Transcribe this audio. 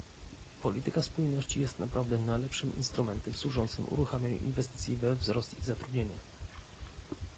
Polityka spójności jest naprawdę najlepszym instrumentem służącym uruchamianiu inwestycji we wzrost i zatrudnienie